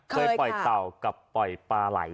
เผยป่อยเต่าและป่ายปลาลัย